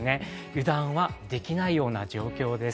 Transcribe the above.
油断はできないような状況です。